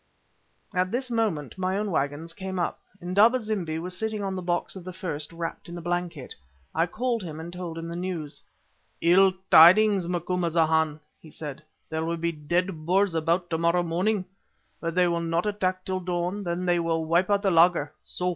At this moment my own waggons came up. Indaba zimbi was sitting on the box of the first, wrapped in a blanket. I called him and told him the news. "Ill tidings, Macumazahn," he said; "there will be dead Boers about to morrow morning, but they will not attack till dawn, then they will wipe out the laager _so!